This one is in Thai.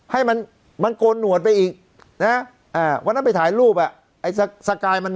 ให้มันโกนหนวดไปอีกวันนั้นไปถ่ายรูปไกรมัน